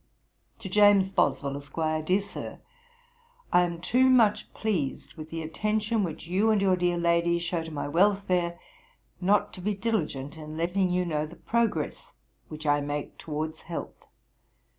'TO JAMES BOSWELL, ESQ. 'DEAR SIR, 'I am too much pleased with the attention which you and your dear lady show to my welfare, not to be diligent in letting you know the progress which I make towards health.